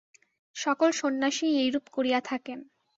সকল সন্ন্যাসীই এইরূপ করিয়া থাকেন।